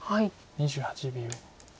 ２８秒。